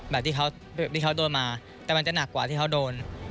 แบบที่เขาโดนมาแต่มันจะหนักกว่าที่เขาโดน